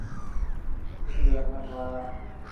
สิ้นเดือนธันวา